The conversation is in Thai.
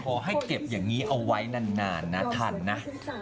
พูดว่าให้เก็บอย่างงี้เอาไว้นานทันนะ